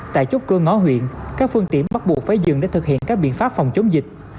tại chốt cơ ngõ huyện các phương tiện bắt buộc phải dừng để thực hiện các biện pháp phòng chống dịch